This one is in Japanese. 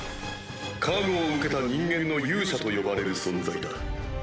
加護を受けた人間の勇者と呼ばれる存在だ。